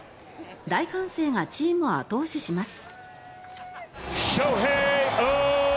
大歓声がチームを後押しします。